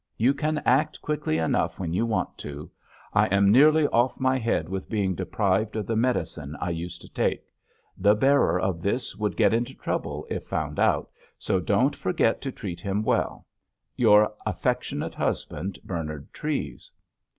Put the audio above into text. You can act quickly enough when you want to. I am nearly off my head with being deprived of the medicine I used to take. The bearer of this would get into trouble if found out, so don't forget to treat him well._ Your affectionate husband, BERNARD TREVES.